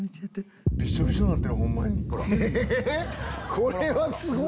これはすごい！